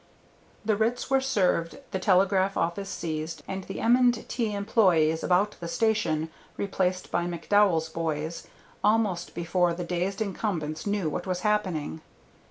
The writs were served, the telegraph office seized, and the M. & T. employees about the station replaced by McDowell's "boys" almost before the dazed incumbents knew what was happening.